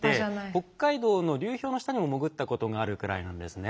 北海道の流氷の下にも潜ったことがあるくらいなんですね。